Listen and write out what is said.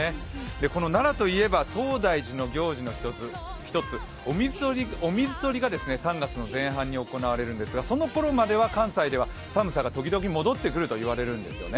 この奈良といえば東大寺の行事の一つ、御水取が３月前半に行われるんですが、そのころまでは関西では寒さが時々戻ってくるといわれているんですね。